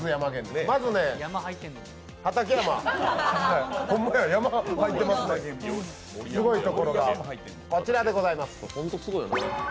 まず畠山、すごいところがこちらでございます。